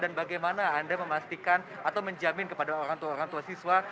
dan bagaimana anda memastikan atau menjamin kepada orang tua orang tua siswa